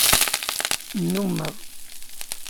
Nnummeɣ.